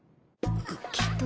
きっと